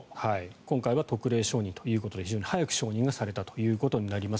今回は特例承認ということで早く承認されたということになります。